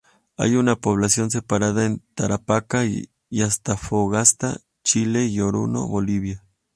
Hay una población separada en Tarapacá y Antofagasta, Chile y Oruro, Bolivia.